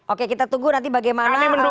oke kita tunggu nanti bagaimana